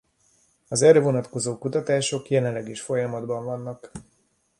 Az erre vonatkozó kutatások jelenleg is folyamatban vannak.